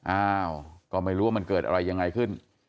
อ้าวก็ไม่รู้ว่ามันเกิดอะไรยังไงขึ้น